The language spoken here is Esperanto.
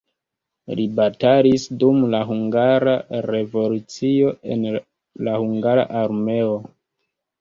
Li batalis dum la hungara revolucio en la hungara armeo.